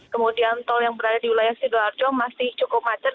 kemudian tol yang berada di wilayah sidoarjo masih cukup macet